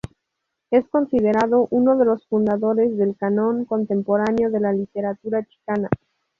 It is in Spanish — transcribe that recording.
Es considerado uno de los fundadores del canon contemporáneo de la literatura chicana.